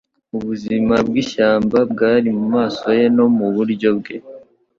Ubuzima bwishyamba bwari mumaso ye no muburyo bwe